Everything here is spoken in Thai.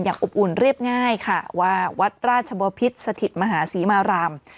อบอุ่นเรียบง่ายค่ะว่าวัดราชบพิษสถิตมหาศรีมาราม